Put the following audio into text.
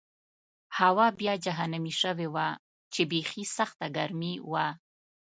هوا بیا جهنمي شوې وه چې بېخي سخته ګرمي وه.